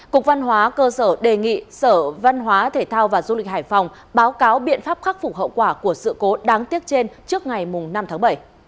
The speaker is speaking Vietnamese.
cục văn hóa cơ sở đề nghị sở văn hóa thể thao và du lịch hải phòng báo cáo biện pháp khắc phục hậu quả của sự cố đáng tiếc trên trước ngày năm tháng bảy